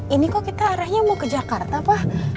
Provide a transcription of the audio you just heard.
ini kok kita arahnya mau ke jakarta pak